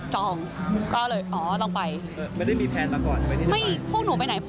จองก็เลยอ๋อเราไป